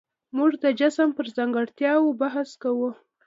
موږ د جسم په ځانګړتیاوو بحث کوو.